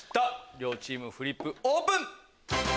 両チームフリップオープン！